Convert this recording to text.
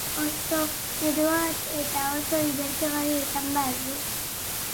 Oso eroa eta dibertigarria izan behar du.